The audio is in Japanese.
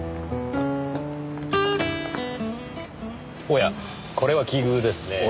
おやこれは奇遇ですねぇ。